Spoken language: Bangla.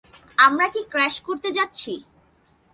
আমরা কি ক্র্যাশ করতে যাচ্ছি!